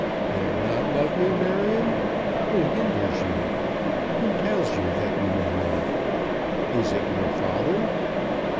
"Dare not love me, Marion? Who hinders you? Who tells you that you may not? Is it your father?"